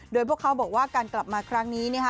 โดยพวกเขาบอกว่าการกลับมาครั้งนี้